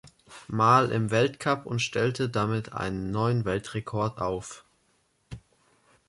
Mal im Weltcup und stellte damit einen neuen Weltrekord auf.